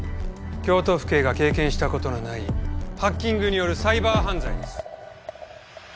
京都府警が経験した事のないハッキングによるサイバー犯罪です。